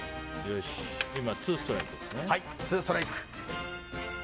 今、ツーストライクですね。